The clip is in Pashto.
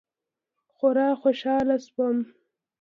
خورا خوشاله سوم.